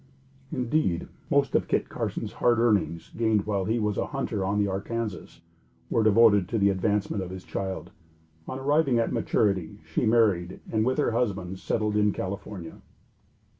Indeed most of Kit Carson's hard earnings, gained while he was a hunter on the Arkansas, were devoted to the advancement of his child. On arriving at maturity she married and with her husband settled in California.